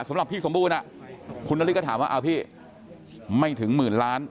สำหรับพี่สมบูรณ์คุณนาริสก็ถามว่าเอาพี่ไม่ถึงหมื่นล้าน